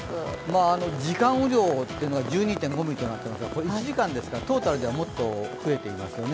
時間雨量が１２．５ミリとなっていますが、これ１時間ですからトータルではもっと増えていますよね。